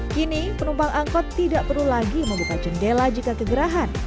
kini penumpang angkot tidak perlu lagi membuka jendela jika kegerahan